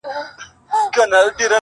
څه چي مي په زړه دي هغه ژبي ته راغلي دي -